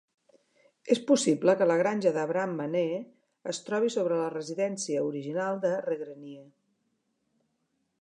És possible que la granja d'Abraham Manee es trobi sobre la residència original de Regrenier.